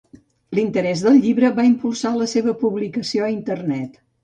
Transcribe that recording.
L'interès del llibre va impulsar la seva publicació a Internet.